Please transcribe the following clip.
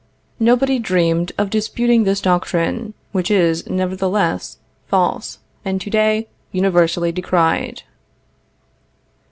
Nobody dreamed of disputing this doctrine, which is, nevertheless, false, and to day universally decried."